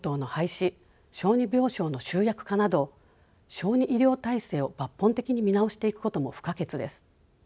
小児病床の集約化など小児医療体制を抜本的に見直していくことも不可欠です。